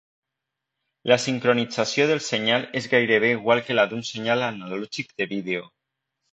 La sincronització del senyal és gairebé igual que la d'un senyal analògic de vídeo.